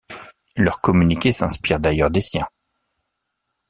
Leurs communiqués s'inspirent d'ailleurs des siens.